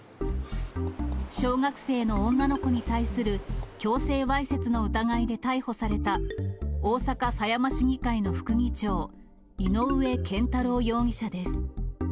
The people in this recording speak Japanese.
小学生の女の子に対する強制わいせつの疑いで逮捕された、大阪狭山市議会の副議長、井上健太郎容疑者です。